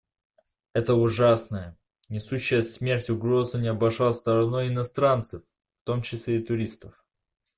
Эта ужасная, несущая смерть угроза не обошла стороной и иностранцев, в том числе туристов.